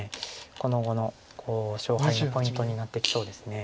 この碁の勝敗のポイントになってきそうです。